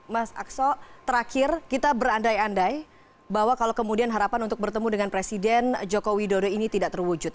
mas akso terakhir kita berandai andai bahwa kalau kemudian harapan untuk bertemu dengan presiden joko widodo ini tidak terwujud